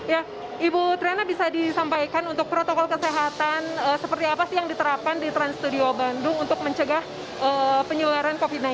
ya ibu triana bisa disampaikan untuk protokol kesehatan seperti apa sih yang diterapkan di trans studio bandung untuk mencegah penyebaran covid sembilan belas